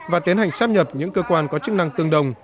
và tiến hành sắp nhập những cơ quan có chức năng tương đồng